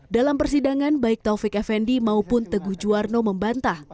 dalam persidangan baik taufik effendi maupun teguh juwarno membantah